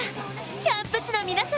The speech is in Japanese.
キャンプ地の皆様！